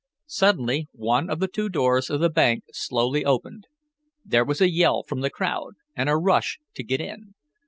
Suddenly one of the two doors of the bank slowly opened. There was a yell from the crowd, and a rush to get in.